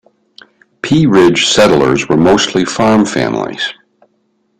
Pea Ridge settlers were mostly farm families.